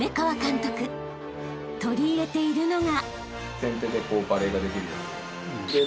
［取り入れているのが］